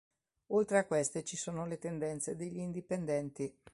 Oltre a queste ci sono le tendenze degli indipendenti.